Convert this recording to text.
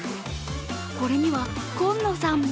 これにはコンノさんも